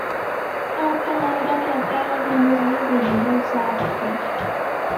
Adapta la obra teatral "Las manos sucias" de Jean Paul Sartre.